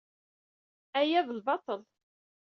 Aya d lbaṭel.